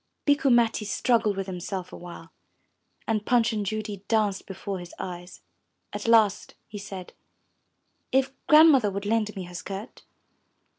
'* Bikku Matti struggled with himself a while, and Punch and Judy danced before his eyes. At last he said, '*If Grandmother would lend me her skirt?